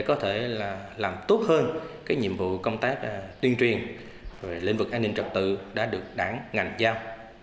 có thể là làm tốt hơn cái nhiệm vụ công tác tuyên truyền về lĩnh vực an ninh trật tự đã được đảng ngành giao